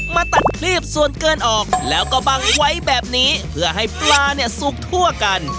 มาตัดครีบส่วนเกินออกแล้วก็บังไว้แบบนี้เพื่อให้ปลาเนี่ยสุกทั่วกัน